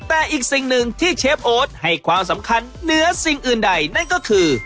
แต่อีกสิ่งหนึ่งที่เชฟโอ๊ตให้ความสำคัญเหนือสิ่งอื่นใดนั่นก็คือ